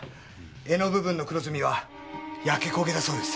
柄の部分の黒ずみは焼け焦げだそうです。